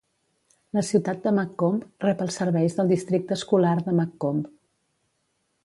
La ciutat de McComb rep els serveis del districte escolar de McComb.